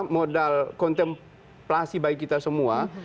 modal kontemplasi bagi kita semua